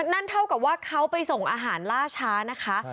นั่นเท่ากับว่าเขาไปส่งอาหารล่าช้านะคะ